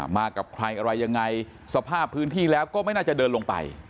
มากับใครอะไรยังไงสภาพพื้นที่แล้วก็ไม่น่าจะเดินลงไป